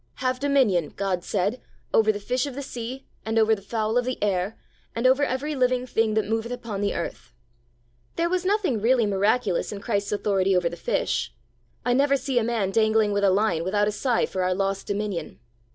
'Have dominion,' God said, 'over the fish of the sea, and over the fowl of the air, and over every living thing that moveth upon the earth.' There was nothing really miraculous in Christ's authority over the fish. I never see a man dangling with a line without a sigh for our lost dominion.